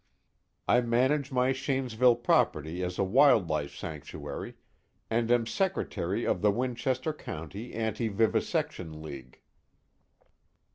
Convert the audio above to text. I manage my Shanesville property as a wild life sanctuary, and am Secretary of the Winchester County Anti Vivisection League."